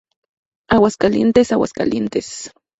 Aguascalientes, Ags.